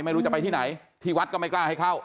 ไม่รู้จะไปที่ไหนที่วัดก็ไม่กล้าให้เข้า